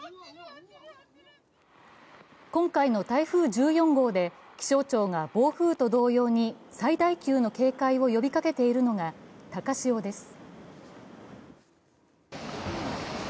今回の台風１４号で気象庁が暴風と同様に最大級の警戒を呼びかけているのが高潮です。